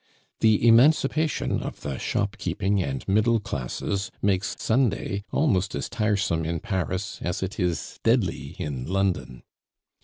The emancipation of the shopkeeping and middle classes makes Sunday almost as tiresome in Paris as it is deadly in London.